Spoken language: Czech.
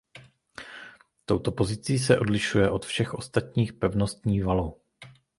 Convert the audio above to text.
Touto pozicí se odlišuje od všech ostatních pevností valu.